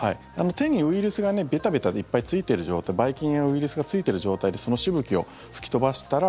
手にウイルスがベタベタいっぱいついてる状態ばい菌やウイルスがついてる状態でそのしぶきを吹き飛ばしたら